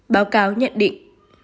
báo cáo nhận định